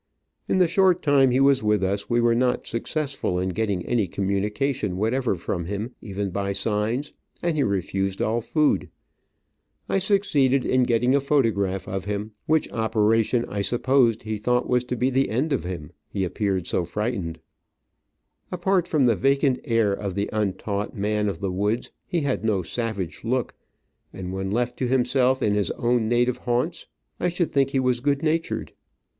In the short time he was with us we were not successful in getting any communication what ever from him, even by signs, and he refused all food. I succeeded in getting a photo graph of him ; which operation I supposed he thought was to be the end of him, he appeared so frightened. POISONED ARROWS AND SPEARS USED BY THE OPON IN DIANS. Digitized by VjOOQIC 170 Travels and Adventures Apart from the vacant air of the untaught man of the woods, he had no savage look, and when left to himself in his own native haunts I should think he was good natured.